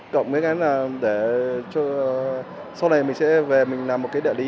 cộng với cái là để sau này mình sẽ về mình làm một cái địa lý